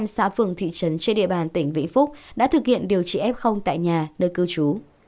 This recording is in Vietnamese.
một trăm xã phường thị trấn trên địa bàn tỉnh vĩnh phúc đã thực hiện điều trị f tại nhà nơi cư trú